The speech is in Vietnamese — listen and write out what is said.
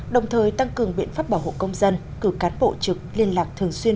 đồng thời tăng cường biện pháp bảo hộ công dân cử cán bộ trực liên lạc thường xuyên